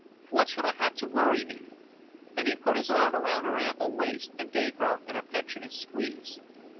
"What should I have to worry me?" and he put his arm round her ample waist, and gave her an affectionate squeeze.